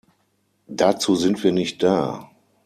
Dazu sind wir nicht da.